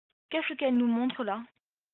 Qu’est-ce qu’elle nous montre là ?